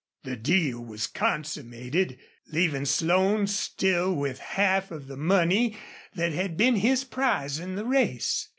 The deal was consummated, leaving Slone still with half of the money that had been his prize in the race.